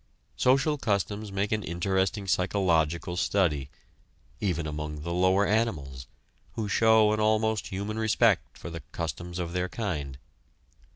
Social customs make an interesting psychological study, even among the lower animals, who show an almost human respect for the customs of their kind.